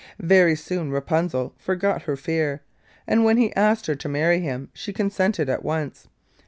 Very soon Rapunzel forgot her fear, and when he asked her to marry him she consented at once.